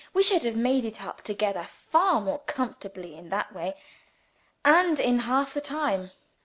We should have made it up together far more comfortably in that way and in half the time.